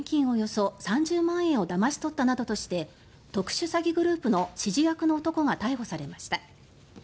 およそ３０万円をだまし取ったなどとして特殊詐欺グループの指示役の男が逮捕されました。